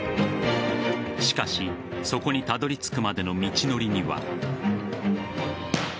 しかし、そこにたどり着くまでの道のりには。